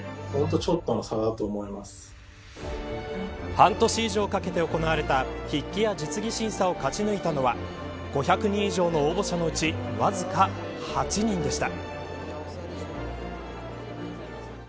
半年以上かけて行われた筆記や実技審査を勝ち抜いたのは５００人以上の応募者のうちわずか８人でした。